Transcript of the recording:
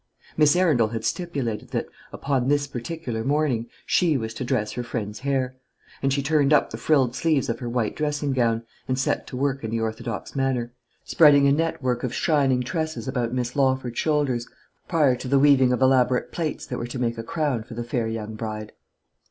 Miss Arundel had stipulated that, upon this particular morning, she was to dress her friend's hair; and she turned up the frilled sleeves of her white dressing gown, and set to work in the orthodox manner, spreading a network of shining tresses about Miss Lawford's shoulders, prior to the weaving of elaborate plaits that were to make a crown for the fair young bride.